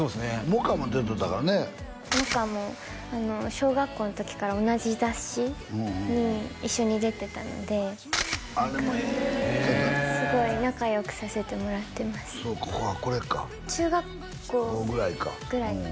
萌歌も出とったからね萌歌も小学校の時から同じ雑誌に一緒に出てたのですごい仲良くさせてもらってますそうかこれか中学校ぐらいです